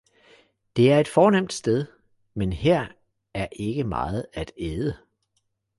Det er et fornemt sted, men her er ikke meget at æde.